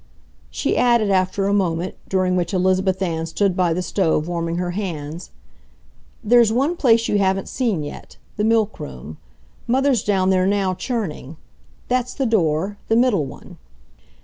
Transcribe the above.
She added after a moment, during which Elizabeth Ann stood by the stove, warming her hands: "There's one place you haven't seen yet—the milk room. Mother's down there now, churning. That's the door—the middle one."